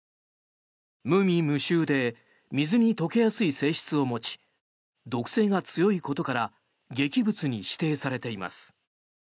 無味無臭で水に溶けやすい性質を持ち毒性が強いことから劇物に指定されています。